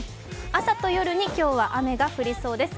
朝と夜に今日は雨が降りそうです。